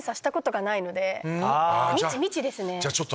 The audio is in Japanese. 未知ですね。